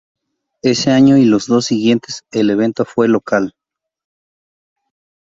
Ese año y los dos siguientes el evento fue local.